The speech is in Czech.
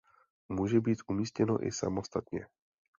Může být umístěno i samostatně.